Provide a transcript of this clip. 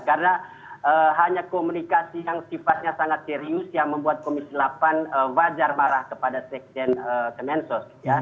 karena hanya komunikasi yang sifatnya sangat serius yang membuat komisi delapan wajar marah kepada sekden kemensos